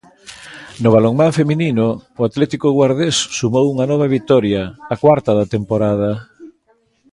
No balonmán feminino, o Atlético Guardés sumou unha nova vitoria, a cuarta da temporada.